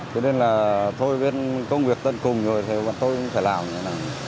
thế nên là thôi bên công việc tận cùng rồi thì tôi cũng phải làm như thế nào